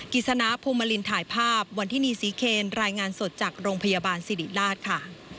กิจสนาภูมิลินถ่ายภาพวันที่นี่ศรีเคนรายงานสดจากโรงพยาบาลสิริราชค่ะ